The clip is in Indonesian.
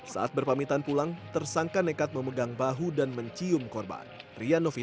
saat berpamitan pulang tersangka nekat memegang bahu dan mencium korban